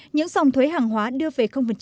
những dòng thuế hàng hóa đưa về